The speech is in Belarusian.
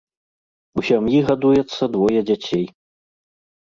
У сям'і гадуецца двое дзяцей.